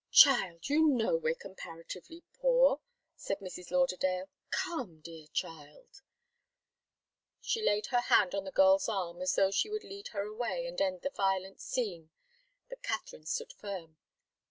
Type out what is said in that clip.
"Child! You know we're comparatively poor," said Mrs. Lauderdale. "Come dear child " She laid her hand on the girl's arm as though she would lead her away and end the violent scene, but Katharine stood firm.